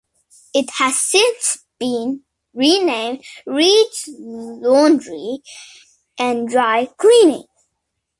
It has since been renamed Reed's Laundry and Dry cleaning.